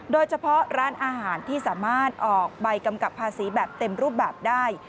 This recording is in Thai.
โดยเฉพาะร้านอาหารที่สามารถออกใบกำกับภาษีแบบเต็มรูปแบบได้